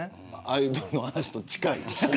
アイドルの話と近いと。